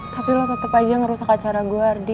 tapi lo tetap aja ngerusak acara gue ardi